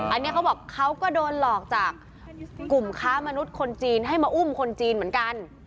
อันนี้เขาบอกเขาก็โดนหลอกจากกลุ่มค้ามนุษย์คนจีนให้มาอุ้มคนจีนเหมือนกัน